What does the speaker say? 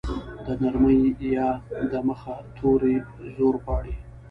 د نرمې ی د مخه توری زور غواړي.